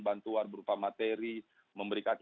bantuan berupa materi memberikan